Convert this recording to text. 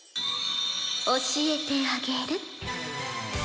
教えてあげる。